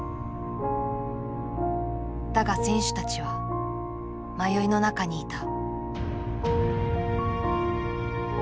だが選手たちは迷いの中にいた。